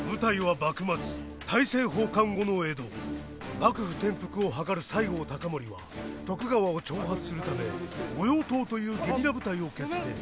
幕府転覆を謀る西郷隆盛は徳川を挑発するため御用盗というゲリラ部隊を結成。